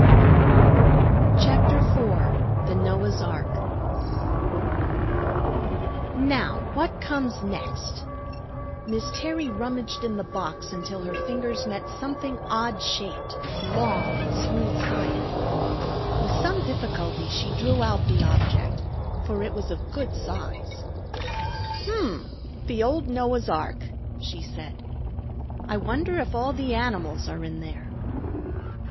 CHAPTER IV THE NOAH'S ARK "Now, what comes next?" Miss Terry rummaged in the box until her fingers met something odd shaped, long, and smooth sided. With some difficulty she drew out the object, for it was of good size. "H'm! The old Noah's ark," she said. "I wonder if all the animals are in there."